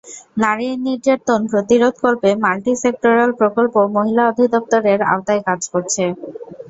নারী নির্যাতন প্রতিরোধকল্পে multi sectoral প্রকল্প মহিলা অধিদপ্তরের আওতায় কাজ করছে।